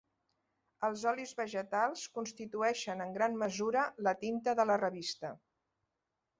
Els olis vegetals constitueixen en gran mesura la tinta de la revista.